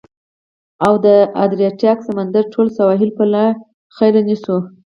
او د ادریاتیک سمندر ټول سواحل به له خیره، ونیسو.